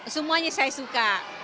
semuanya saya suka